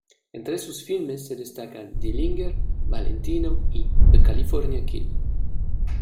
Entre sus filmes se destacan "Dillinger", "Valentino" y "The California Kid".